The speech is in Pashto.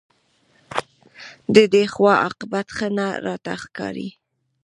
د دې غوا عاقبت ښه نه راته ښکاري